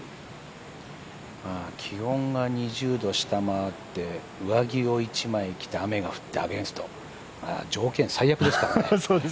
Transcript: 気温が２０度を下回って上着を１枚着て、雨が降って、アゲンスト、条件、最悪ですからね。